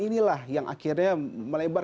inilah yang akhirnya melebar